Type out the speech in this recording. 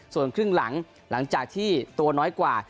ส่วนครึ่งหลังหลังจากที่ตัวน้อยกว่า